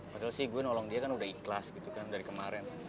padahal sih gue nolong dia kan udah ikhlas gitu kan dari kemarin